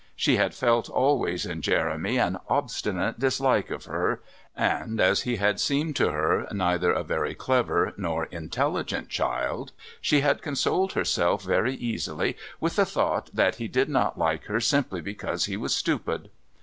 She had felt always in Jeremy an obstinate dislike of her, and as he had seemed to her neither a very clever nor intelligent child she had consoled herself very easily with the thought that he did not like her simply because he was stupid.